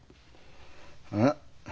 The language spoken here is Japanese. えっ？